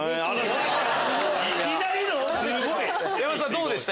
どうでした？